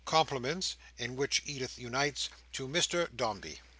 Compliments (in which Edith unites) to Mr Dombey."